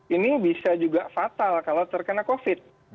ini bisa juga fatal kalau terkena covid